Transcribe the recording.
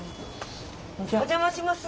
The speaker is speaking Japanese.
お邪魔します。